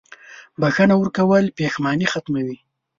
• بښنه ورکول پښېماني ختموي.